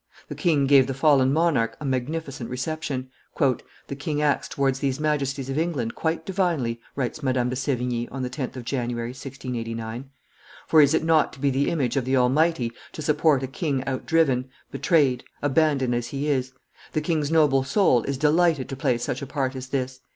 The king gave the fallen monarch a magnificent reception. "The king acts towards these majesties of England quite divinely," writes Madame de Sevigne, on the 10th of January, 1689: "for is it not to be the image of the Almighty to support a king out driven, betrayed, abandoned as he is? The king's noble soul is delighted to play such a part as this.